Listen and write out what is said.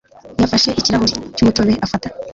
yafashe ikirahuri cy'umutobe afata.